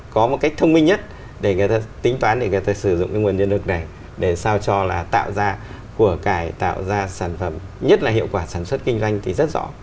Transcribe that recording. có một cách thông minh nhất để người ta tính toán để người ta sử dụng cái nguồn nhân lực này để sao cho là tạo ra của cải tạo ra sản phẩm nhất là hiệu quả sản xuất kinh doanh thì rất rõ